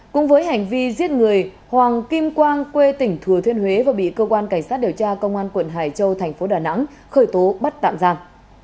cũng với hành vi giết người hoàng kim quang quê tỉnh thừa thiên huế vừa bị cơ quan cảnh sát điều tra công an quận hải châu thành phố đà nẵng khởi tố bắt tạm giam